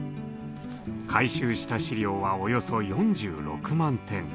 回収した資料はおよそ４６万点。